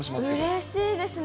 うれしいですね。